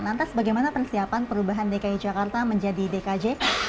lantas bagaimana persiapan perubahan dki jakarta menjadi dkj